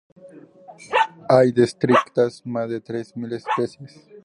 Hay descritas más de tres mil especies.